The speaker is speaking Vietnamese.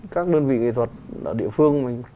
các đơn vị nghệ thuật địa phương